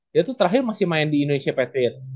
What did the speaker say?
dia tuh terakhir masih main di indonesia patriots